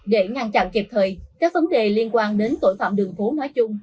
để ngăn chặn kịp thời các vấn đề liên quan đến tội phạm đường phố nói chung